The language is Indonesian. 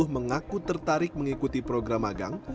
mengaku tertarik mengikuti program magang